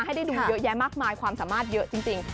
ให้ได้ดูเยอะแยะมากมายความสามารถเยอะจริง